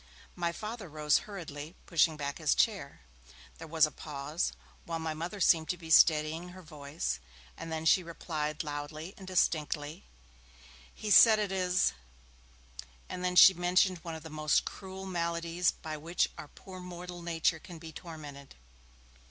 My Father rose hurriedly, pushing back his chair. There was a pause, while my Mother seemed to be steadying her voice, and then she replied, loudly and distinctly, 'He says it is ' and she mentioned one of the most cruel maladies by which our poor mortal nature can be tormented.